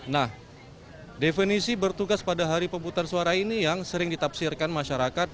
nah definisi bertugas pada hari pemutar suara ini yang sering ditafsirkan masyarakat